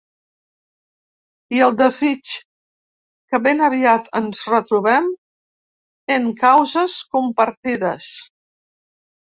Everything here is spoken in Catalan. I el desig que ben aviat ens retrobem en causes compartides.